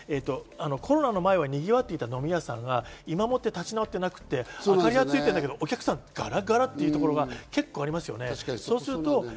同時にコロナの前はにぎわっていた飲み屋さんが今もって立ち直っていなくて、明かりがついているけど、ガラガラというところは結構あります。